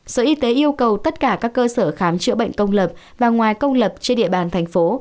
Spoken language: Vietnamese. sở y tế yêu cầu tất cả các cơ sở khám chữa bệnh công lập và ngoài công lập trên địa bàn thành phố